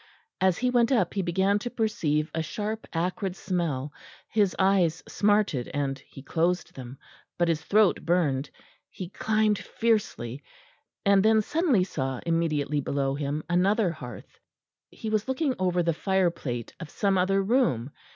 As he went up he began to perceive a sharp acrid smell, his eyes smarted and he closed them, but his throat burned; he climbed fiercely; and then suddenly saw immediately below him another hearth; he was looking over the fireplate of some other room.